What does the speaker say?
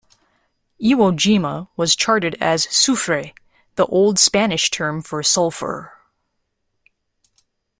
Iwo Jima was charted as Sufre, the old Spanish term for sulphur.